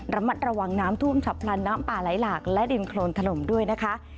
ระมัดระวังน้ำท่วมฉับพลันน้ำป่าไหลหลากและดินโครนถล่มด้วยนะคะ